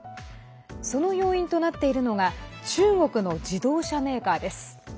その要因となっているのが中国の自動車メーカーです。